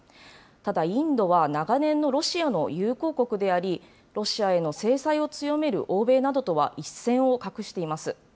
ただインドは長年のロシアの友好国であり、ロシアへの制裁を強める欧米などとは一線を画しています。